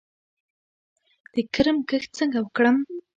د کرم کښت څنګه وکړم؟